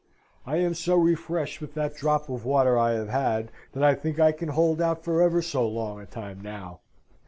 I am so refreshed with that drop of water I have had, that I think I can hold out for ever so long a time now.